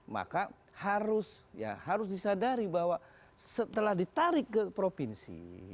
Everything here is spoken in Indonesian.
maka harus ya harus disadari bahwa setelah ditarik ke provinsi